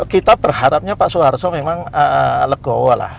kita berharapnya pak soeharto memang legowo lah